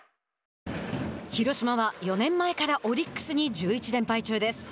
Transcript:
広島は４年前からオリックスに１１連敗中です。